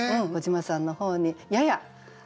小島さんの方にやや。